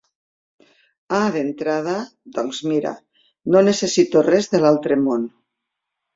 Ah d'entrada, doncs mira, no necessito res de l'altre món.